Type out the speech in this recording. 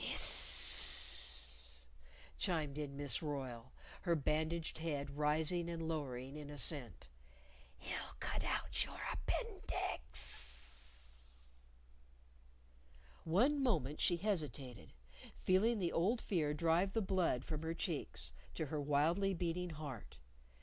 "Hiss s s s!" chimed in Miss Royle, her bandaged head rising and lowering in assent. "He'll cut out your appendix." One moment she hesitated, feeling the old fear drive the blood from her cheeks to her wildly beating heart.